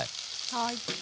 はい。